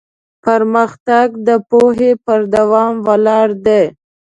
پرمختګ د پوهې په دوام ولاړ دی.